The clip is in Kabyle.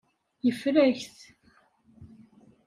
Yeffer-ak-t.